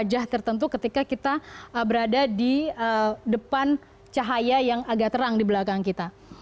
wajah tertentu ketika kita berada di depan cahaya yang agak terang di belakang kita